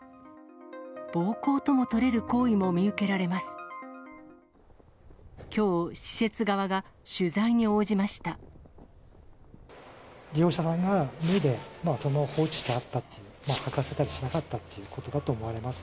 暴行とも取れる行為も見受けられます。